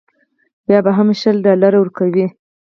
بیا به هم شل ډالره ورکوې.